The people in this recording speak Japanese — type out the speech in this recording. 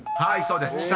［はいそうです。